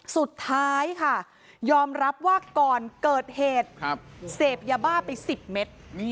สุดท้ายค่ะยอมรับว่าก่อนเกิดเหตุเสพยาบ้าไป๑๐เมตร